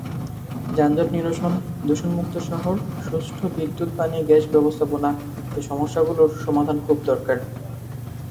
যানজট নিরসন, দূষণমুক্ত শহর, সুষ্ঠু বিদ্যুৎ-পানি-গ্যাস ব্যবস্থাপনা—এ সমস্যাগুলোর সমাধান খুব দরকার।